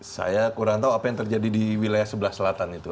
saya kurang tahu apa yang terjadi di wilayah sebelah selatan itu